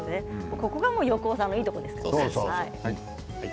そこが横尾さんのいいところですからね。